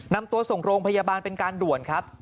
นำตัวส่งโรงพยาบาลเป็นการด่วนครับ